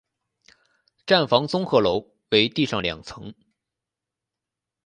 站房综合楼为地上两层。